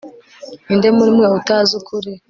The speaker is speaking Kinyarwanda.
ndi nde muri mwe utazi ukuri